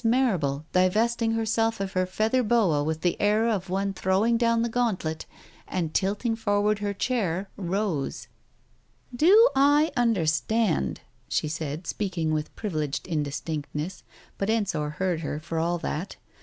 Marrable, divesting herself of her feather boa with the air of one throwing down the gauntlet, and tilting forward her chair, rose. ... Digitized by Google THE TIGER SKIN 289 " Do I understand ?" she said, speaking with privileged indistinctness, but Ensor heard her for all that.